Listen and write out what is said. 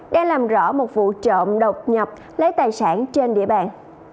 đang làm rõ một vụ trộm độc nhập lấy tài sản trên địa bàn